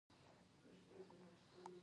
وطن زموږ د ټولو ګډ ویاړ دی.